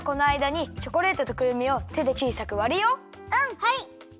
はい。